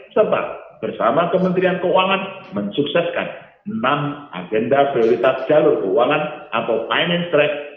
serta bersama kementerian keuangan mensukseskan enam agenda prioritas jalur keuangan atau finance track